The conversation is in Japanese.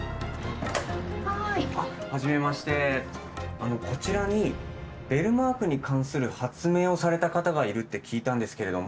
あのこちらにベルマークに関する発明をされた方がいるって聞いたんですけれども。